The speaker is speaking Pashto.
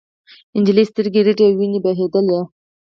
نجلۍ سترګې رډې او وینې بهېدلې.